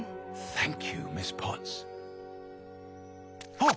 あっ！